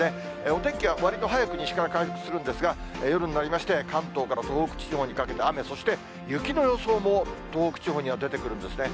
お天気はわりと早く西から回復するんですが、夜になりまして、関東から東北地方にかけて雨、そして雪の予想も東北地方には出てくるんですね。